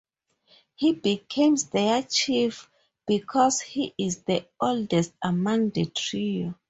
He becomes their chief because he is the oldest among the trio.